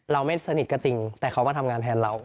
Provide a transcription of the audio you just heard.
ไม่สนิทก็จริงแต่เขามาทำงานแทนเรา